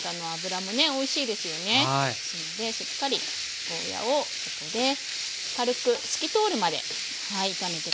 それでしっかりゴーヤーをここで軽く透き通るまで炒めて下さい。